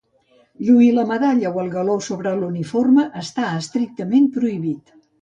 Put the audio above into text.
Lluir la medalla o el galó sobre l'uniforme està estrictament prohibit.